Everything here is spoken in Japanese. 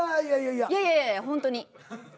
いやいやいやほんとに。